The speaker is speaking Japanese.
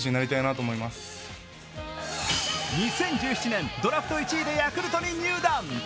２０１７年、ドラフト１位でヤクルトに入団。